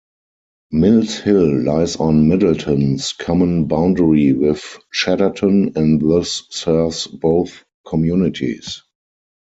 Mills Hill lies on Middleton's common boundary with Chadderton, and thus serves both communities.